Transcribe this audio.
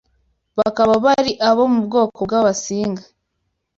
bakaba bari abo mu bwoko bw’Abasinga